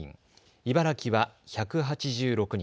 茨城は１８６人。